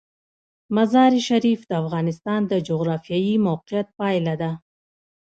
مزارشریف د افغانستان د جغرافیایي موقیعت پایله ده.